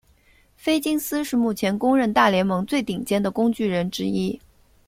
菲金斯是目前公认大联盟最顶尖的工具人之一。